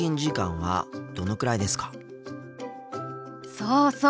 そうそう。